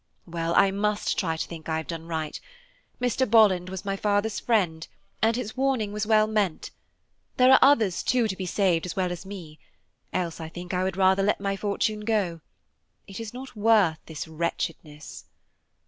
Well, I must try to think I have done right; Mr. Bolland was my father's friend, and his warning was well meant; there are others, too, to be saved as well as me, else I think I would rather let my fortune go. It is not worth this wretchedness."